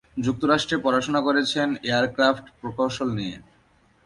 যুক্তরাষ্ট্রে পড়াশোনা করেছেন এয়ারক্রাফট প্রকৌশল নিয়ে।